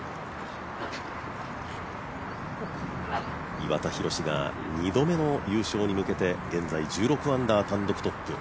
岩田寛が２度目の優勝に向けて現在１６アンダー単独トップ。